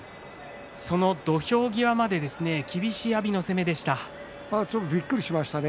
その土俵際、厳しい阿炎の攻めでしたね。